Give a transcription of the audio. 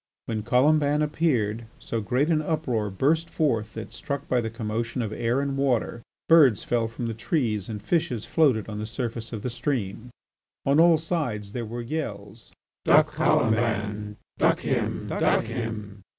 When Colomban appeared, so great an uproar burst forth that, struck by the commotion of air and water, birds fell from the trees and fishes floated on the surface of the stream. On all sides there were yells: "Duck Colomban, duck him, duck him!"